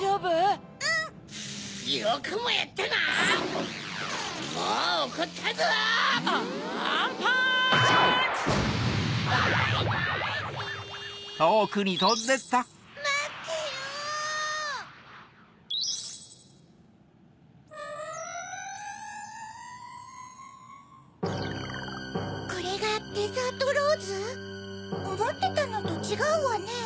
おもってたのとちがうわね。